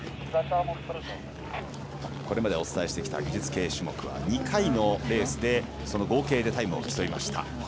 これまでお伝えしてきた技術系種目は２回のレースでその合計でタイムを競いました。